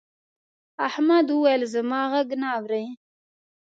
احمد وويل: زما غږ نه اوري.